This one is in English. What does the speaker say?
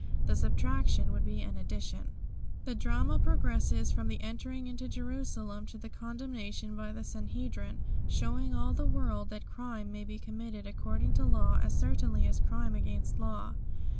The subtraction would be an addition. The drama progresses from the entering into Jerusalem to the condemnation by the Sanhedrim, showing all the world that crime may be committed according to law as certainly as crime against the law.